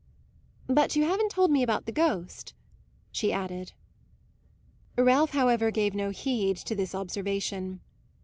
But you haven't told me about the ghost," she added. Ralph, however, gave no heed to this observation.